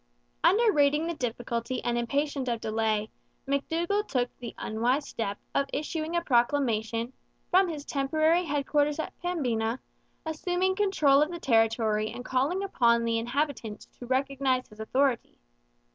Underrating the difficulty and impatient of delay, McDougall took the unwise step of issuing a proclamation, from his temporary headquarters at Pembina, assuming control of the territory and calling upon the inhabitants to recognize his authority.